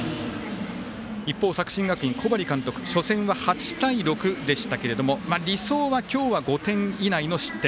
一方、作新学院、小針監督初戦は８対６でしたけど理想は５点以内の失点。